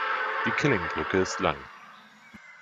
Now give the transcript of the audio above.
Die Kylling-Brücke ist lang.